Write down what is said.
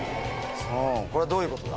これどういうことだ？